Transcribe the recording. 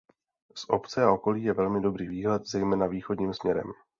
Z obce a okolí je velmi dobrý výhled zejména východním směrem.